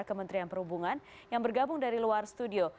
kementerian perhubungan yang bergabung dari luar studio